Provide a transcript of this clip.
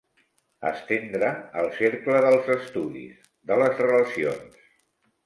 Estendre el cercle dels estudis, de les relacions.